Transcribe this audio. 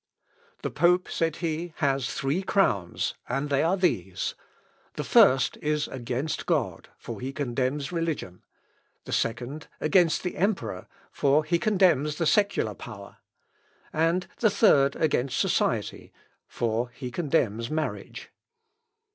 "The pope," said he, "has three crowns, and they are these: the first is against God, for he condemns religion, the second against the emperor, for he condemns the secular power, and the third against society, for he condemns marriage."